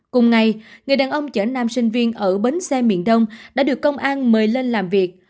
cùng ngày người đàn ông chở nam sinh viên ở bến xe miền đông đã được công an mời lên làm việc